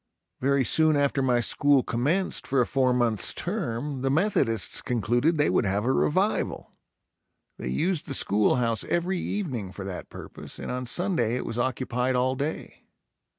Very soon after my school commenced for a four months term the Methodists concluded they would have a revival. They used the school house every evening for that purpose and on Sunday it was occupied all day.